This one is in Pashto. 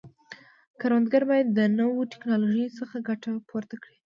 کروندګر باید د نوو ټکنالوژیو څخه ګټه پورته کړي.